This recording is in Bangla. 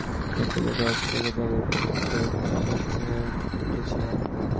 তিনি প্রকৃত অর্থেই ভেদাভেদের ঊর্ধ্বে উঠে মানব সম্প্রদায়ের প্রচার করে গিয়েছেন।